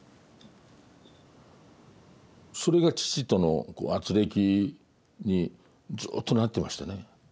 それが父との軋轢にずっとなってましたね。